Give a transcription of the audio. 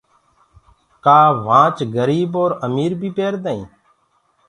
ڪآ گھڙي گريب اور امير بي پيردآئين